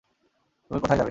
তুমি কোথায় যাবে?